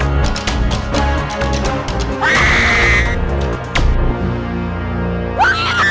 pak pak tunggu pak saya mau tunggu